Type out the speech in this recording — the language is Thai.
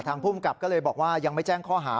ภูมิกับก็เลยบอกว่ายังไม่แจ้งข้อหา